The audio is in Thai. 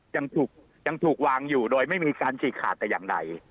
ยังถูกยังถูกวางอยู่โดยไม่มีการฉีกขาดแต่อย่างใด